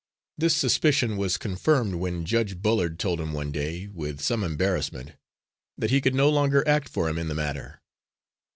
This suspicion was confirmed when Judge Bullard told him one day, with some embarrassment, that he could no longer act for him in the matter.